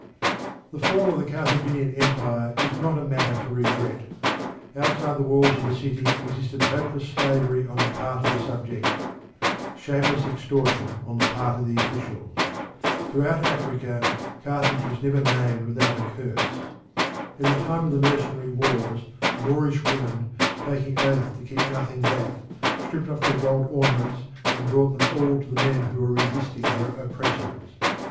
The fall of the Carthaginian empire is not a matter for regret. Outside the walls of the city existed hopeless slavery on the part of the subject, shameless extortion on the part of the officials. Throughout Africa Carthage was never named without a curse. In the time of the mercenary war the Moorish women, taking oath to keep nothing back, stripped off their gold ornaments and brought them all to the men who were resisting their oppressors.